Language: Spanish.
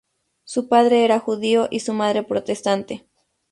Su padre era judío y su madre, protestante.